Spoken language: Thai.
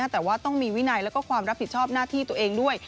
แต่ว่าต้องมีวินัยแล้วก็ความรับผิดชอบหน้าที่ตัวเองด้วย